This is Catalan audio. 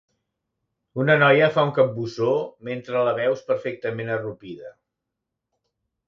Una noia fa un capbussó mentre la veus perfectament arrupida.